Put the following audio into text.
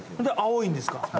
で青いんですか。